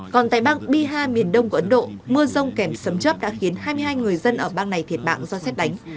còn tại bang bihar miền đông của ấn độ mưa rông kèm sấm chấp đã khiến hai mươi hai người dân ở bang này thiệt mạng do xét đánh